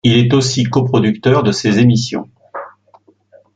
Il est aussi coproducteur de ses émissions.